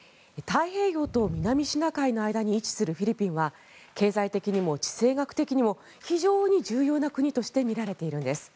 太平洋と南シナ海の間に位置するフィリピンは経済的にも地政学的にも非常に重要な国として見られているんです。